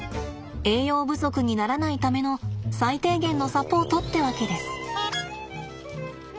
栄養不足にならないための最低限のサポートってわけです。